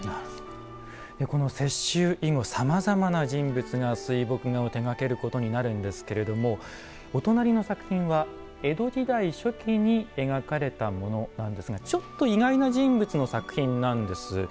この雪舟以後さまざまな人物が水墨画を手がけることになるんですけれどもお隣の作品は江戸時代初期に描かれたものなんですがちょっと意外な人物の作品なんです。